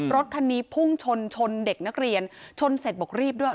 รถคันนี้พุ่งชนชนเด็กนักเรียนชนเสร็จบอกรีบด้วย